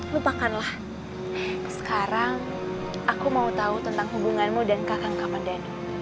lupakanlah sekarang aku mau tahu tentang hubunganmu dan kakang kapandani